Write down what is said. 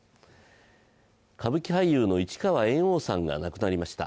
歌舞伎俳優の市川猿翁さんが亡くなりました。